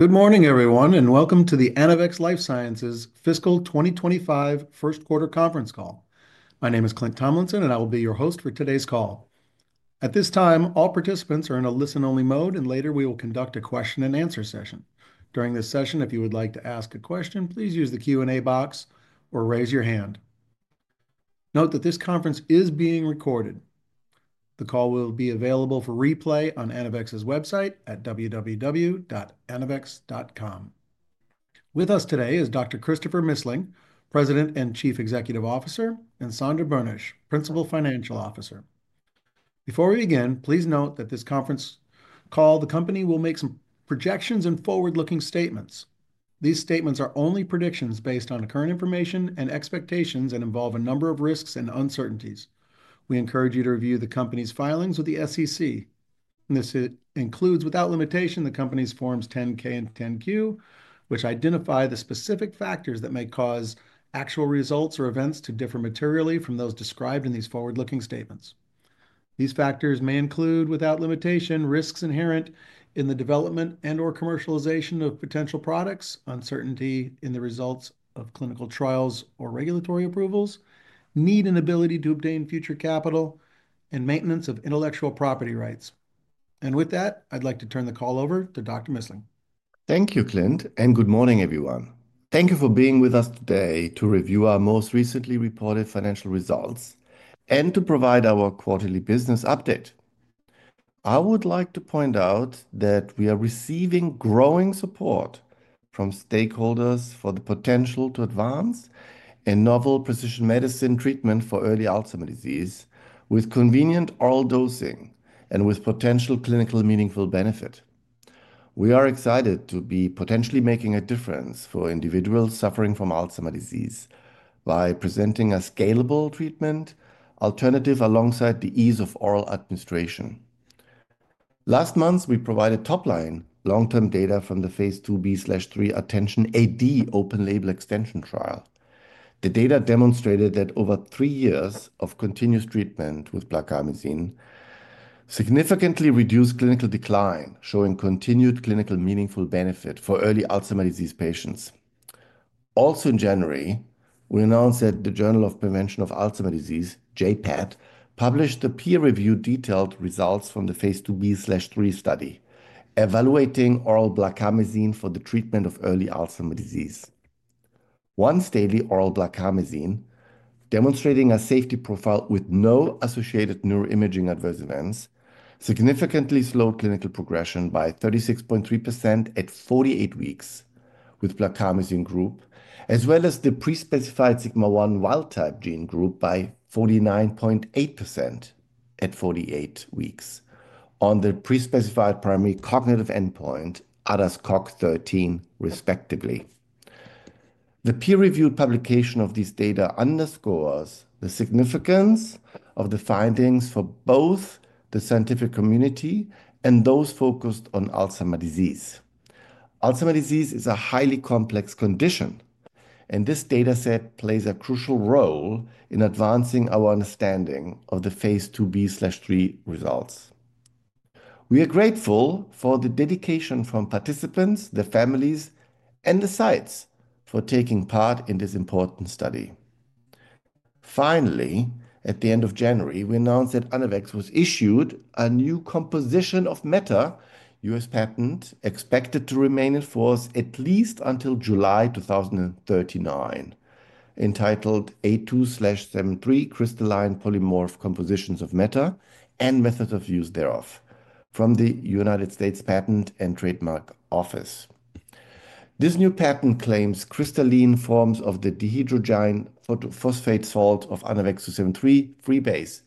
Good morning, everyone, and welcome to the Anavex Life Sciences Fiscal 2025 First Quarter Conference Call. My name is Clint Tomlinson, and I will be your host for today's call. At this time, all participants are in a listen-only mode, and later we will conduct a question-and-answer session. During this session, if you would like to ask a question, please use the Q&A box or raise your hand. Note that this conference is being recorded. The call will be available for replay on Anavex's website at www.anavex.com. With us today is Dr. Christopher Missling, President and Chief Executive Officer, and Sandra Boenisch, Principal Financial Officer. Before we begin, please note that this conference call, the company will make some projections and forward-looking statements. These statements are only predictions based on current information and expectations and involve a number of risks and uncertainties. We encourage you to review the company's filings with the SEC. This includes, without limitation, the company's Forms 10-K and 10-Q, which identify the specific factors that may cause actual results or events to differ materially from those described in these forward-looking statements. These factors may include, without limitation, risks inherent in the development and/or commercialization of potential products, uncertainty in the results of clinical trials or regulatory approvals, need and ability to obtain future capital, and maintenance of intellectual property rights. With that, I'd like to turn the call over to Dr. Missling. Thank you, Clint, and good morning, everyone. Thank you for being with us today to review our most recently reported financial results and to provide our quarterly business update. I would like to point out that we are receiving growing support from stakeholders for the potential to advance a novel precision medicine treatment for early Alzheimer's disease with convenient oral dosing and with potential clinical meaningful benefit. We are excited to be potentially making a difference for individuals suffering from Alzheimer's disease by presenting a scalable treatment alternative alongside the ease of oral administration. Last month, we provided top-line long-term data from the Phase IIb/III ATTENTION-AD open-label extension trial. The data demonstrated that over three years of continuous treatment with blarcamesine significantly reduced clinical decline, showing continued clinical meaningful benefit for early Alzheimer's disease patients. Also, in January, we announced that the Journal of Prevention of Alzheimer's Disease, JPAD, published a peer-reviewed detailed results from the Phase IIb/III study evaluating oral blarcamesine for the treatment of early Alzheimer's disease. Once daily oral blarcamesine, demonstrating a safety profile with no associated neuroimaging adverse events, significantly slowed clinical progression by 36.3% at 48 weeks with blarcamesine group, as well as the pre-specified Sigma-1 wild-type gene group by 49.8% at 48 weeks on the pre-specified primary cognitive endpoint, ADAS-Cog13, respectively. The peer-reviewed publication of these data underscores the significance of the findings for both the scientific community and those focused on Alzheimer's disease. Alzheimer's disease is a highly complex condition, and this dataset plays a crucial role in advancing our understanding of the Phase IIb/III results. We are grateful for the dedication from participants, their families, and the sites for taking part in this important study. Finally, at the end of January, we announced that Anavex was issued a new composition of matter U.S. patent expected to remain in force at least until July 2039, entitled A2-73 crystalline polymorph compositions of matter and methods of use thereof from the United States Patent and Trademark Office. This new patent claims crystalline forms of the dihydrogen phosphate salt of ANAVEX 2-73, free base,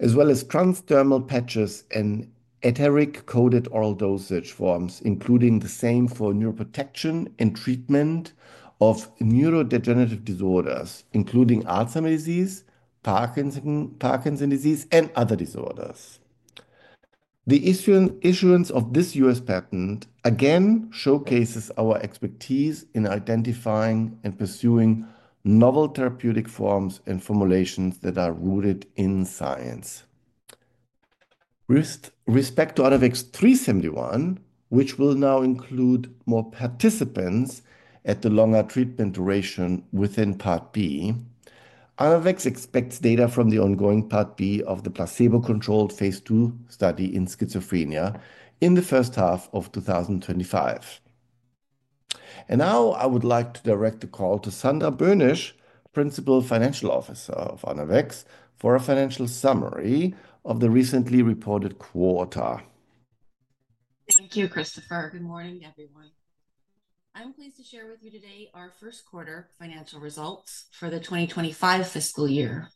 as well as transdermal patches and enteric coated oral dosage forms, including the same for neuroprotection and treatment of neurodegenerative disorders, including Alzheimer's disease, Parkinson's disease, and other disorders. The issuance of this U.S. patent again showcases our expertise in identifying and pursuing novel therapeutic forms and formulations that are rooted in science. With respect to ANAVEX 3-71, which will now include more participants at the longer treatment duration within Part B, Anavex expects data from the ongoing Part B of the placebo-controlled Phase II study in schizophrenia in the first half of 2025, and now I would like to direct the call to Sandra Boenisch, Principal Financial Officer of Anavex, for a financial summary of the recently reported quarter. Thank you, Christopher. Good morning, everyone. I'm pleased to share with you today our first quarter financial results for the 2025 fiscal year.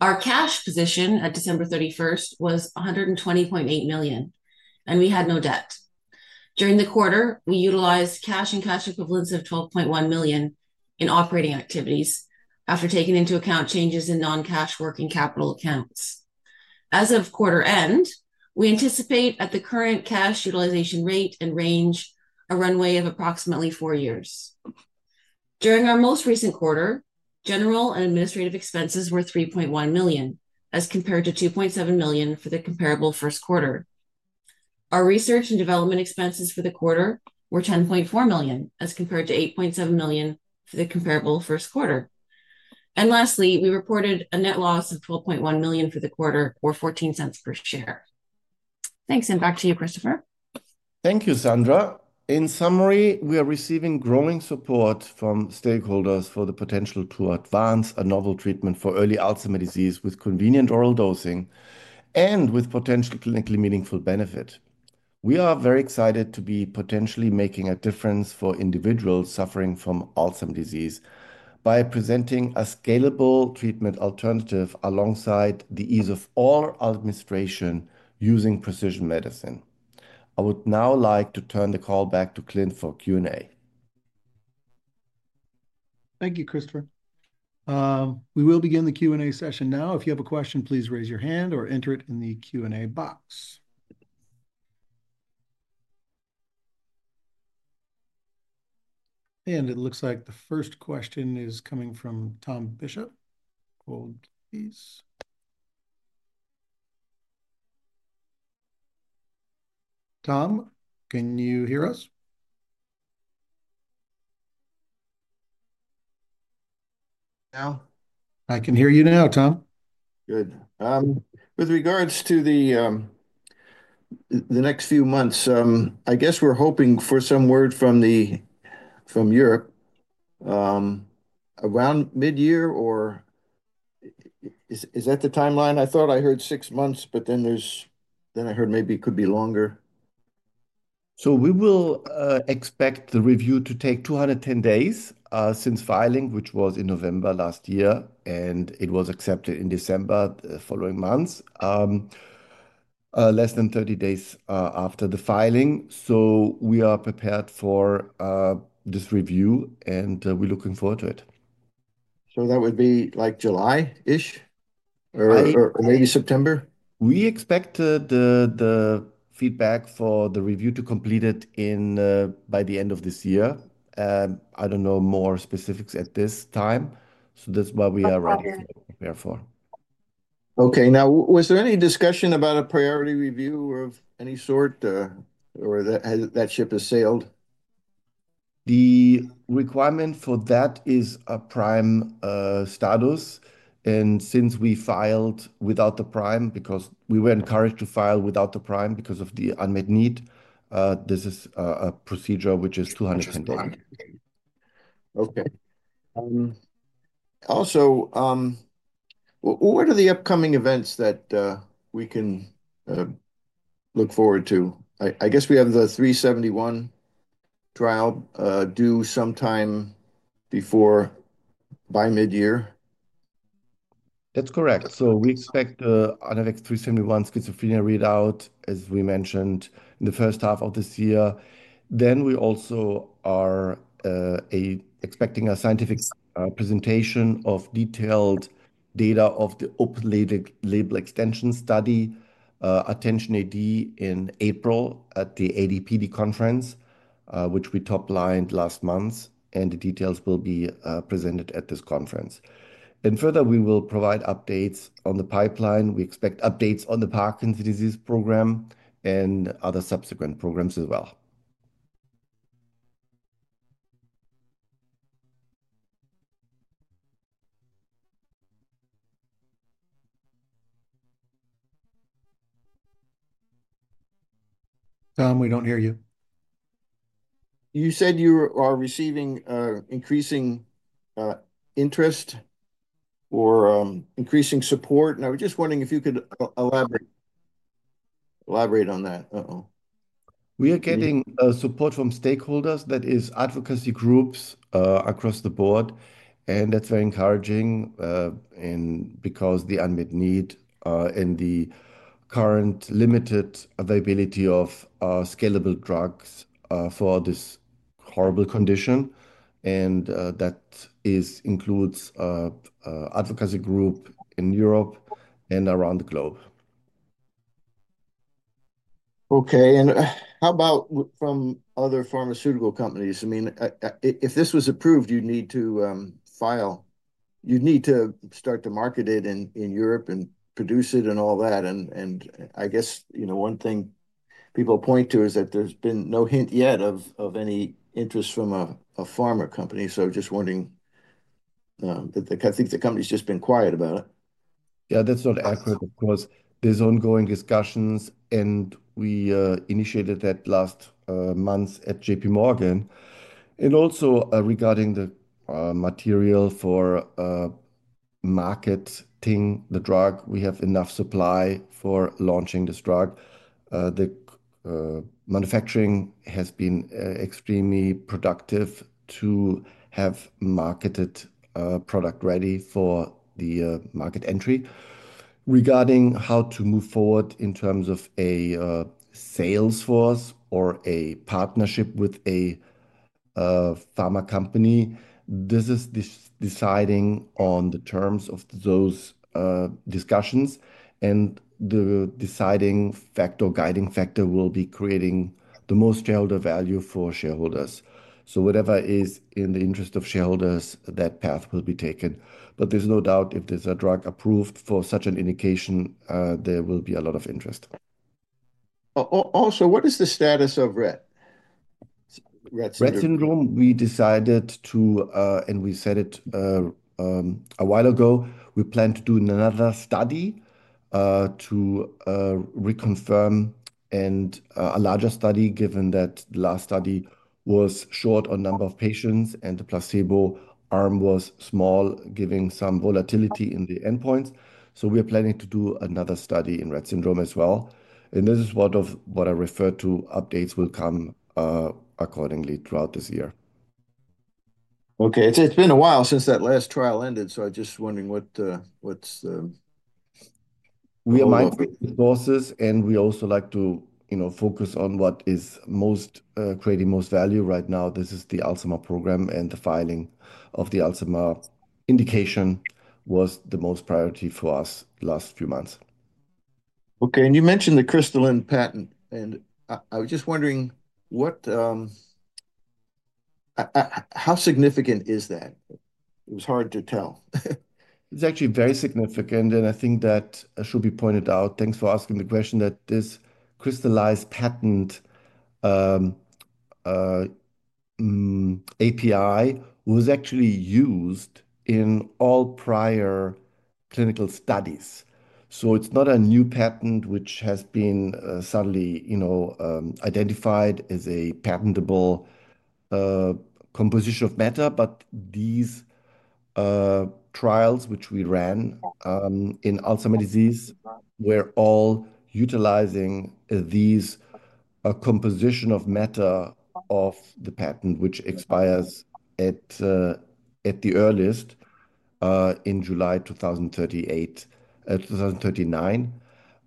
Our cash position at December 31st was $120.8 million, and we had no debt. During the quarter, we utilized cash and cash equivalents of $12.1 million in operating activities after taking into account changes in non-cash working capital accounts. As of quarter end, we anticipate, at the current cash utilization rate and range, a runway of approximately four years. During our most recent quarter, general and administrative expenses were $3.1 million as compared to $2.7 million for the comparable first quarter. Our research and development expenses for the quarter were $10.4 million as compared to $8.7 million for the comparable first quarter. And lastly, we reported a net loss of $12.1 million for the quarter, or $0.14 per share. Thanks, and back to you, Christopher. Thank you, Sandra. In summary, we are receiving growing support from stakeholders for the potential to advance a novel treatment for early Alzheimer's disease with convenient oral dosing and with potential clinically meaningful benefit. We are very excited to be potentially making a difference for individuals suffering from Alzheimer's disease by presenting a scalable treatment alternative alongside the ease of oral administration using precision medicine. I would now like to turn the call back to Clint for Q&A. Thank you, Christopher. We will begin the Q&A session now. If you have a question, please raise your hand or enter it in the Q&A box. And it looks like the first question is coming from Tom Bishop. Hold, please. Tom, can you hear us? Now. I can hear you now, Tom. Good. With regards to the next few months, I guess we're hoping for some word from Europe around mid-year, or is that the timeline? I thought I heard six months, but then I heard maybe it could be longer. So we will expect the review to take 210 days since filing, which was in November last year, and it was accepted in December the following month, less than 30 days after the filing. So we are prepared for this review, and we're looking forward to it. That would be like July-ish or maybe September? We expect the feedback for the review to complete it by the end of this year. I don't know more specifics at this time, so that's what we are ready to prepare for. Okay. Now, was there any discussion about a priority review of any sort or that ship has sailed? The requirement for that is a prime status, and since we filed without the prime, because we were encouraged to file without the prime because of the unmet need, this is a procedure which is 210 days. Okay. Also, what are the upcoming events that we can look forward to? I guess we have the 3-71 trial due sometime by mid-year. That's correct, so we expect the ANAVEX 3-71 schizophrenia readout, as we mentioned, in the first half of this year, then we also are expecting a scientific presentation of detailed data of the open-label extension study, ATTENTION-AD, in April at the AD/PD conference, which we top-lined last month, and the details will be presented at this conference, and further, we will provide updates on the pipeline. We expect updates on the Parkinson's disease program and other subsequent programs as well. Tom, we don't hear you. You said you are receiving increasing interest or increasing support. Now, we're just wondering if you could elaborate on that. We are getting support from stakeholders. That is advocacy groups across the board, and that's very encouraging because of the unmet need and the current limited availability of scalable drugs for this horrible condition, and that includes advocacy groups in Europe and around the globe. Okay. And how about from other pharmaceutical companies? I mean, if this was approved, you'd need to file. You'd need to start to market it in Europe and produce it and all that. And I guess one thing people point to is that there's been no hint yet of any interest from a pharma company. So just wondering that I think the company's just been quiet about it. Yeah, that's not accurate because there's ongoing discussions, and we initiated that last month at J.P. Morgan. And also regarding the material for marketing the drug, we have enough supply for launching this drug. The manufacturing has been extremely productive to have marketed product ready for the market entry. Regarding how to move forward in terms of a sales force or a partnership with a pharma company, this is deciding on the terms of those discussions, and the deciding factor, guiding factor, will be creating the most shareholder value for shareholders. So whatever is in the interest of shareholders, that path will be taken. But there's no doubt if there's a drug approved for such an indication, there will be a lot of interest. Also, what is the status of Rett syndrome? Rett syndrome, we decided to, and we said it a while ago, we plan to do another study to reconfirm and a larger study given that the last study was short on number of patients and the placebo arm was small, giving some volatility in the endpoints, so we are planning to do another study in Rett syndrome as well, and this is what I refer to: updates will come accordingly throughout this year. Okay. It's been a while since that last trial ended, so I'm just wondering what's the. We are allocating resources, and we also like to focus on what is creating most value right now. This is the Alzheimer's program, and the filing of the Alzheimer's indication was the most priority for us last few months. Okay. And you mentioned the crystalline patent, and I was just wondering how significant is that? It was hard to tell. It's actually very significant, and I think that should be pointed out. Thanks for asking the question that this crystalline patent API was actually used in all prior clinical studies. So it's not a new patent which has been suddenly identified as a patentable composition of matter, but these trials which we ran in Alzheimer's disease were all utilizing these compositions of matter of the patent which expires at the earliest in July 2038, 2039.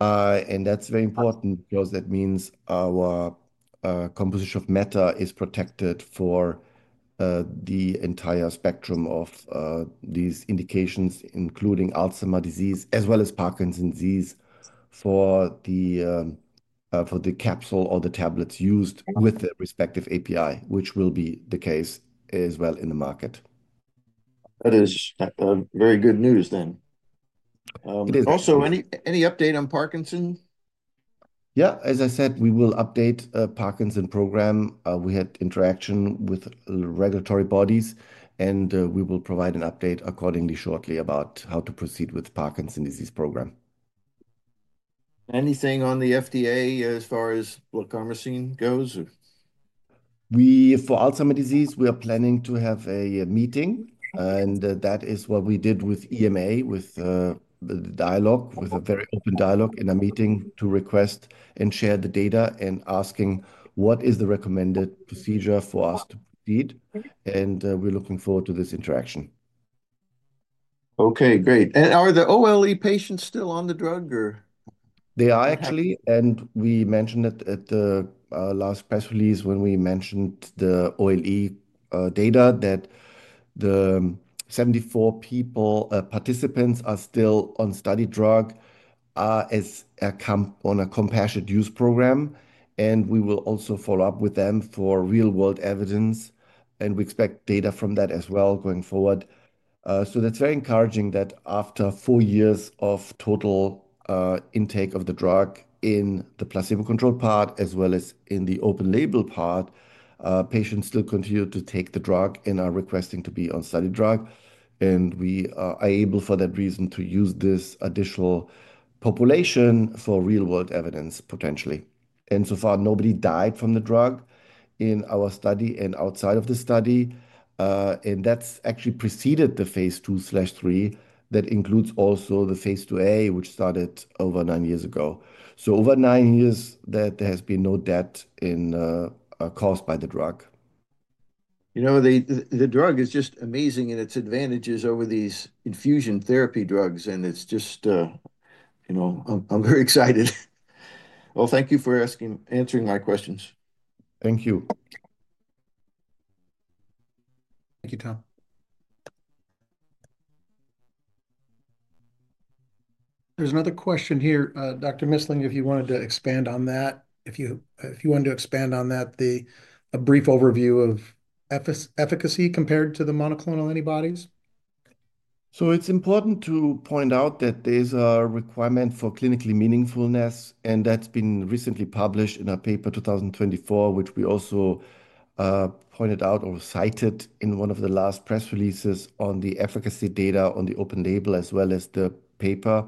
And that's very important because that means our composition of matter is protected for the entire spectrum of these indications, including Alzheimer's disease as well as Parkinson's disease for the capsule or the tablets used with the respective API, which will be the case as well in the market. That is very good news then. It is. Also, any update on Parkinson's? Yeah. As I said, we will update the Parkinson's program. We had interaction with regulatory bodies, and we will provide an update accordingly shortly about how to proceed with the Parkinson's disease program. Anything on the FDA as far as blarcamesine goes? For Alzheimer's disease, we are planning to have a meeting, and that is what we did with EMA, with the dialogue, with a very open dialogue in a meeting to request and share the data and asking what is the recommended procedure for us to proceed, and we're looking forward to this interaction. Okay. Great. And are the OLE patients still on the drug, or? They are actually, and we mentioned it at the last press release when we mentioned the OLE data that the 74 participants are still on study drug on a compassionate use program, and we will also follow up with them for real-world evidence, and we expect data from that as well going forward, so that's very encouraging that after four years of total intake of the drug in the placebo-controlled part as well as in the open-label part, patients still continue to take the drug and are requesting to be on study drug, and we are able for that reason to use this additional population for real-world evidence potentially, and so far, nobody died from the drug in our study and outside of the study, and that's actually preceded the Phase II/III that includes also the Phase IIA, which started over nine years ago. Over nine years, there has been no death caused by the drug. You know, the drug is just amazing in its advantages over these infusion therapy drugs, and it's just, you know, I'm very excited. Well, thank you for answering my questions. Thank you. Thank you, Tom. There's another question here. Dr. Missling, if you wanted to expand on that, a brief overview of efficacy compared to the monoclonal antibodies. So it's important to point out that there's a requirement for clinically meaningfulness, and that's been recently published in a paper 2024, which we also pointed out or cited in one of the last press releases on the efficacy data on the open-label as well as the paper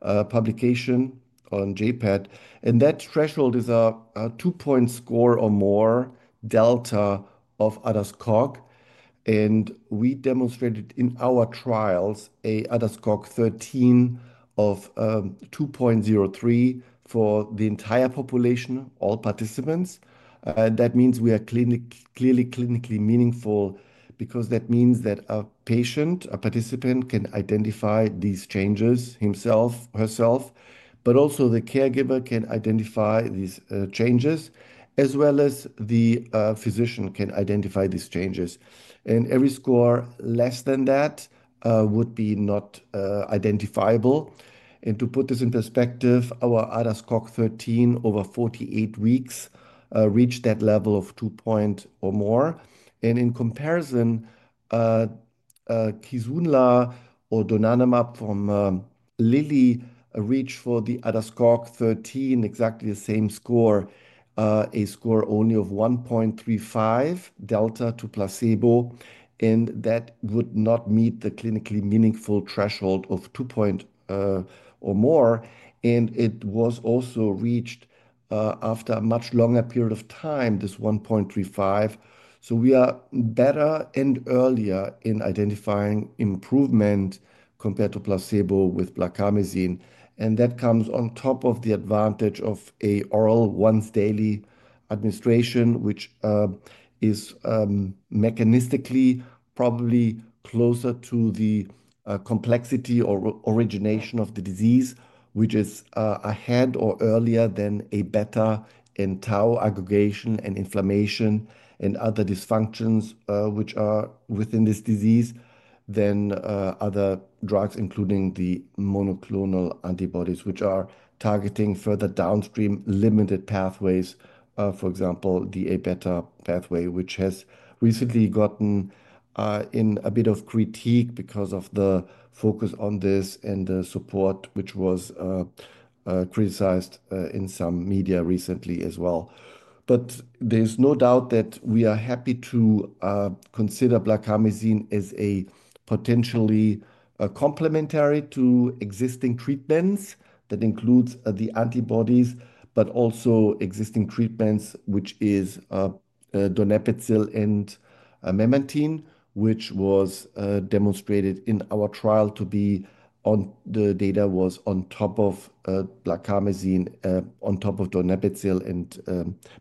publication on JPAD. And that threshold is a two-point score or more delta of ADAS-Cog13. And we demonstrated in our trials an ADAS-Cog13 of 2.03 for the entire population, all participants. That means we are clearly clinically meaningful because that means that a patient, a participant, can identify these changes himself, herself, but also the caregiver can identify these changes, as well as the physician can identify these changes. And every score less than that would be not identifiable. And to put this in perspective, our ADAS-Cog13 over 48 weeks reached that level of 2 point or more. In comparison, Kisunla or donanemab from Lilly reached for the ADAS-Cog13 exactly the same score, a score only of 1.35 delta to placebo. That would not meet the clinically meaningful threshold of 2-point or more. It was also reached after a much longer period of time, this 1.35. We are better and earlier in identifying improvement compared to placebo with blarcamesine. That comes on top of the advantage of an oral once-daily administration, which is mechanistically probably closer to the complexity or origination of the disease, which is ahead or earlier than A-beta and tau aggregation and inflammation and other dysfunctions which are within this disease than other drugs, including the monoclonal antibodies, which are targeting further downstream limited pathways, for example, the A-beta pathway, which has recently gotten in a bit of critique because of the focus on this and the support which was criticized in some media recently as well. There's no doubt that we are happy to consider blarcamesine as potentially complementary to existing treatments that includes the antibodies, but also existing treatments, which is donepezil and memantine, which was demonstrated in our trial to be on the data was on top of blarcamesine, on top of donepezil and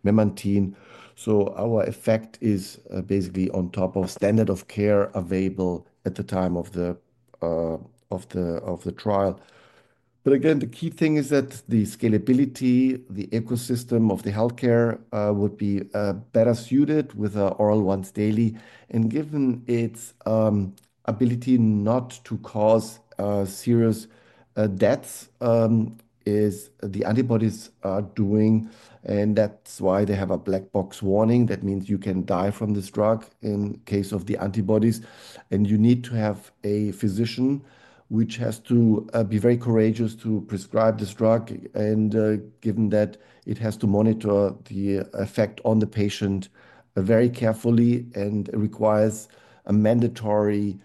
memantine. So our effect is basically on top of standard of care available at the time of the trial. But again, the key thing is that the scalability, the ecosystem of the healthcare would be better suited with an oral once daily. And given its ability not to cause serious deaths like the antibodies are doing. And that's why they have a black box warning. That means you can die from this drug in the case of the antibodies. And you need to have a physician which has to be very courageous to prescribe this drug. And given that it has to monitor the effect on the patient very carefully and requires a mandatory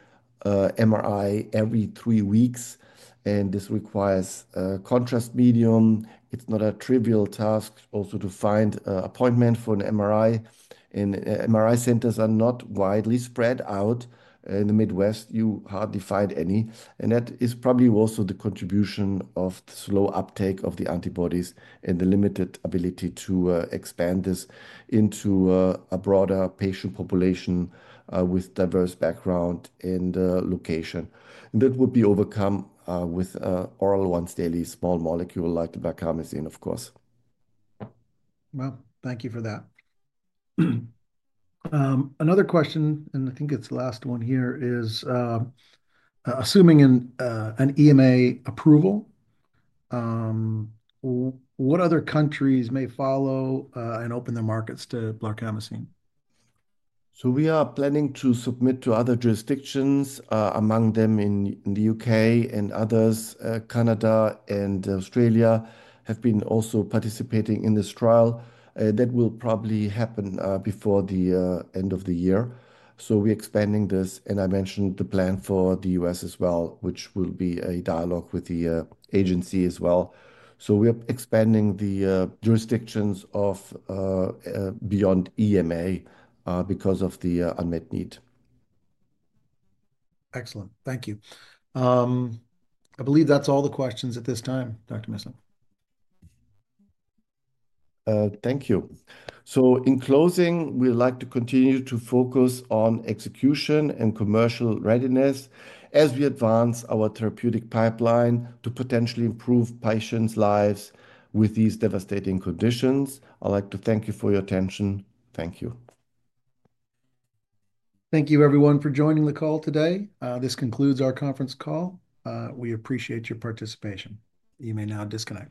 MRI every three weeks. And this requires contrast medium. It's not a trivial task also to find an appointment for an MRI. And MRI centers are not widely spread out in the Midwest. You hardly find any. And that is probably also the contribution of the slow uptake of the antibodies and the limited ability to expand this into a broader patient population with diverse background and location. And that would be overcome with oral once daily small molecule like blarcamesine, of course. Thank you for that. Another question, and I think it's the last one here, is assuming an EMA approval, what other countries may follow and open their markets to blarcamesine? So we are planning to submit to other jurisdictions, among them in the U.K. and others. Canada and Australia have been also participating in this trial. That will probably happen before the end of the year. So we're expanding this. And I mentioned the plan for the U.S. as well, which will be a dialogue with the agency as well. So we're expanding the jurisdictions beyond EMA because of the unmet need. Excellent. Thank you. I believe that's all the questions at this time, Dr. Missling. Thank you. So in closing, we'd like to continue to focus on execution and commercial readiness as we advance our therapeutic pipeline to potentially improve patients' lives with these devastating conditions. I'd like to thank you for your attention. Thank you. Thank you, everyone, for joining the call today. This concludes our conference call. We appreciate your participation. You may now disconnect.